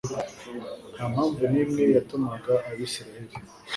Nta mpamvu n’imwe yatumaga Abisiraheli